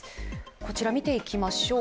こちらを見ていきましょう。